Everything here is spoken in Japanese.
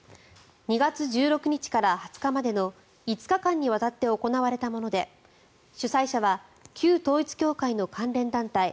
２月１６日から２０日までの５日間にわたって行われたもので主催者は旧統一教会の関連団体